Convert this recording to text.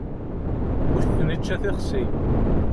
Uccen yečča tixsi.